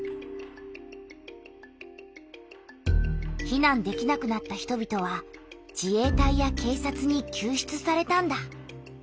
避難できなくなった人びとは自衛隊や警察にきゅう出されたんだ。